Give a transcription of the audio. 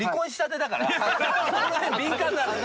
その辺敏感なのよ。